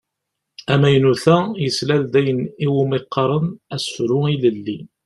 Amaynut-a yeslal-d ayen i wumi qqaren asefru ilelli.